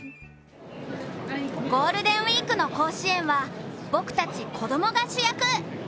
ゴールデンウイークの甲子園は僕たち子供が主役。